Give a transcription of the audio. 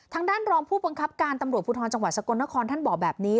ทางด้านรองผู้บังคับการตำรวจภูทรจังหวัดสกลนครท่านบอกแบบนี้